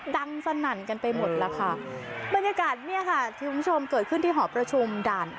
สนั่นกันไปหมดแล้วค่ะบรรยากาศเนี่ยค่ะที่คุณผู้ชมเกิดขึ้นที่หอประชุมด่าน